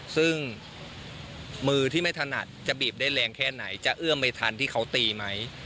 ซึ่งมือที่ไม่ถนัดจะบีบได้แรงแค่ไหนจะเอื้อมไม่ทันที่เขาตีไหม